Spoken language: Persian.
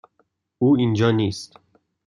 او اینجا نیست.